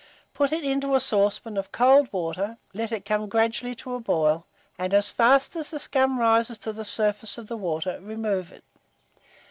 Put it into a saucepan of cold water, let it come gradually to a boil, and as fast as the scum rises to the surface of the water, remove it.